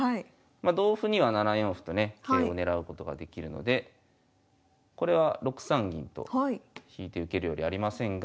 ま同歩には７四歩とね桂を狙うことができるのでこれは６三銀と引いて受けるよりありませんが。